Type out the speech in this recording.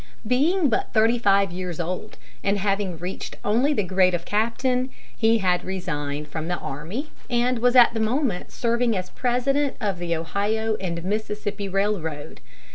Being but thirty five years old, and having reached only the grade of captain, he had resigned from the army, and was at the moment serving as president of the Ohio and Mississippi Railroad.